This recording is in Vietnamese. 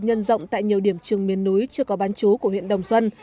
nhân rộng tại nhiều điểm trường miền núi chưa có bán chú của huyện đồng xuân